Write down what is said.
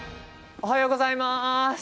おはようございます。